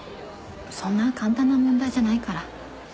そんな簡単な問題じゃないから。